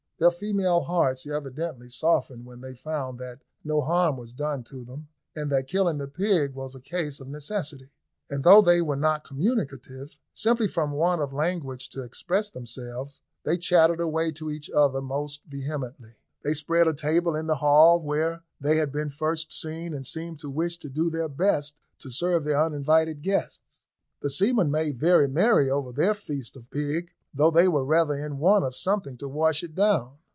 Their female hearts evidently softened when they found that no harm was done to them, and that killing the pig was a case of necessity; and though they were not communicative, simply from want of language to express themselves, they chattered away to each other most vehemently. They spread a table in the hall where they had been first seen, and seemed to wish to do their best to serve their uninvited guests. The seamen made very merry over their feast of pig, though they were rather in want of something to wash it down.